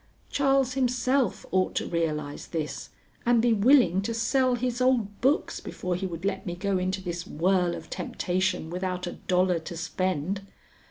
Charles himself ought to realize this, and be willing to sell his old books before he would let me go into this whirl of temptation without a dollar to spend.